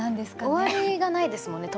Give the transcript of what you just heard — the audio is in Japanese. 終わりがないですもんね